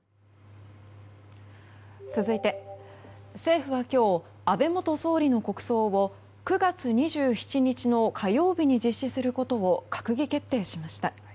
続いて、政府は今日安倍元総理の国葬を９月２７日の火曜日に実施することを閣議決定しました。